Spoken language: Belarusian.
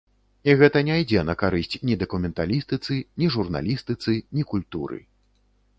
І гэта не ідзе на карысць ні дакументалістыцы, ні журналістыцы, ні культуры.